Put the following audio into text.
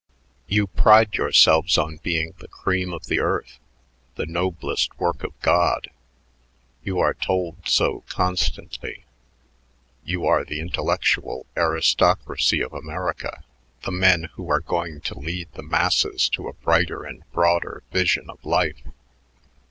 "You pride yourselves on being the cream of the earth, the noblest work of God. You are told so constantly. You are the intellectual aristocracy of America, the men who are going to lead the masses to a brighter and broader vision of life.